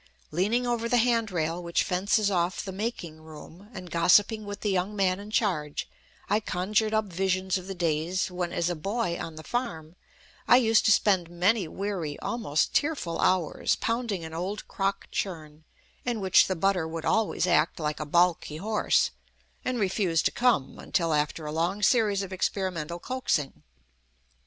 Leaning over the hand rail which fences off the "making" room, and gossiping with the young man in charge, I conjured up visions of the days when, as a boy on the farm, I used to spend many weary, almost tearful hours, pounding an old crock churn, in which the butter would always act like a balky horse and refuse to "come" until after a long series of experimental coaxing.